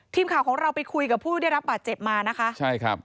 ทีมข่าวของเราก็ไปคุยกับผู้ได้รับป่าเจ็บมานะคะ